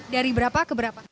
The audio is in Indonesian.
dari berapa ke berapa